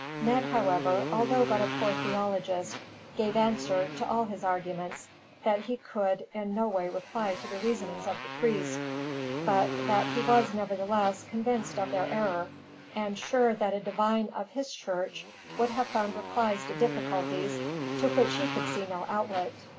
Ned, however, although but a poor theologist, gave answer, to all his arguments, that he could in no way reply to the reasonings of the priest; but that he was, nevertheless, convinced of their error, and sure that a divine of his church would have found replies to difficulties to which he could see no outlet.